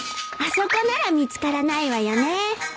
あそこなら見つからないわよね